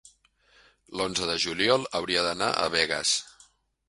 l'onze de juliol hauria d'anar a Begues.